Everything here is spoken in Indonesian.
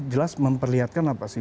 jelas memperlihatkan apa sih